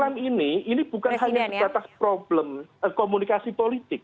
klaim klaim ini bukan hanya di atas komunikasi politik